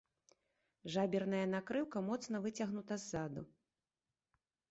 Жаберная накрыўка моцна выцягнута ззаду.